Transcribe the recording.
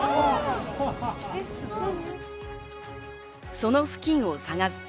その付近を探すと。